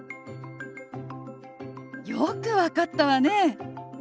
よく分かったわね。